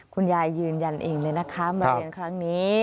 ยืนยันเองเลยนะคะมาเรียนครั้งนี้